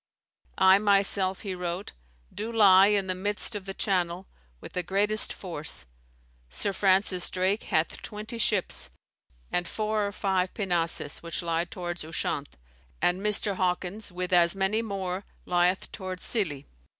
"I myself," he wrote, "do lie in the midst of the Channel, with the greatest force; Sir Francis Drake hath twenty ships, and four or five pinnaces, which lie towards Ushant; and Mr. Hawkins, with as many more, lieth towards Scilly.